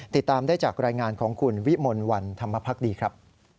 ติดตามได้จากรายงานของคุณวิมลวันธรรมภักดีครับ